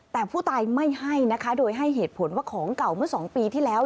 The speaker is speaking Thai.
แต่ผู้ตายไม่ให้นะคะโดยให้เหตุผลว่าของเก่าเมื่อ๒ปีที่แล้ว